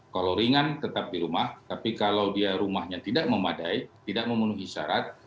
kalau ringan tetap di rumah tapi kalau dia rumahnya tidak memadai tidak memenuhi syarat